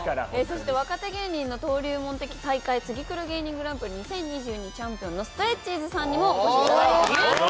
そして若手芸人の登竜門的大会ツギクル芸人グランプリ２０２２チャンピオンのストレッチーズさんにもお越しいただいてます。